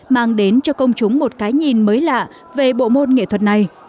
mang đến cho công chúng một cái nhìn mới lạ về bộ môn nghệ thuật này